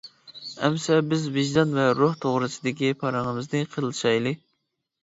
-ئەمسە بىز ۋىجدان ۋە روھ توغرىسىدىكى پارىڭىمىزنى قىلىشايلى.